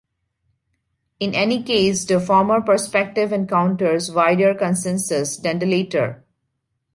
In any case, the former perspective encounters wider consensus than the latter.